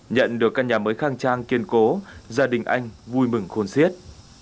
nhận được căn nhà mới khang trang kiên cố gia đình anh vui mừng khôn siết